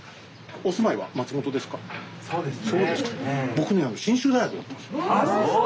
そうですか。